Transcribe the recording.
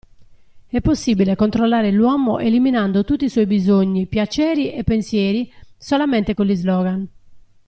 È possibile controllare l'uomo eliminando tutti i suoi bisogni, piaceri e pensieri solamente con gli slogan.